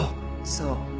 そう。